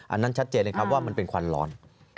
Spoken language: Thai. อันนั้นชัดเจนเลยครับว่ามันเป็นควันร้อน